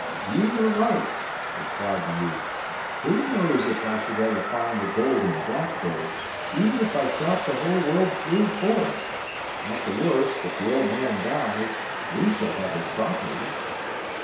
'You are right,' replied the youth. 'Who knows if I should ever find the Golden Blackbird, even if I sought the whole world through for it. At the worst, if the old man dies, we shall have his property.